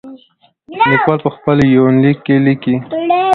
ليکوال په خپل يونليک کې ليکي.